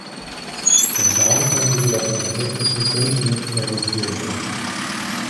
Der Plan konnte jedoch aus technischen Gründen nicht realisiert werden.